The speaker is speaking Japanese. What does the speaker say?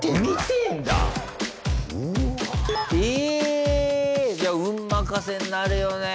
ええ！じゃあ運任せになるよね